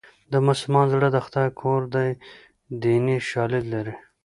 د مسلمان زړه د خدای کور دی دیني شالید لري